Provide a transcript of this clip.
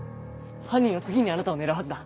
犯人は次にあなたを狙うはずだ